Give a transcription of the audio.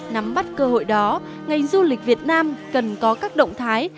nắm bắt cơ hội đó ngành du lịch việt nam cần có các động thái